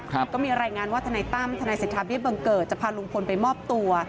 แล้วพวกมีรายงานทนายตั้มทนายศิษฐาเบียบบังเกิอร์จะพาลุงพลไปมอบตัว